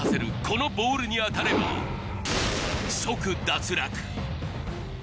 このボールに当たれば即脱落